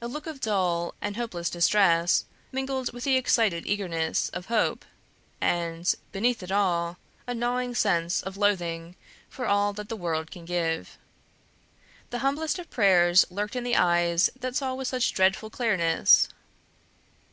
A look of dull and hopeless distress, mingled with the excited eagerness of hope, and, beneath it all, a gnawing sense of loathing for all that the world can give. The humblest of prayers lurked in the eyes that saw with such dreadful clearness.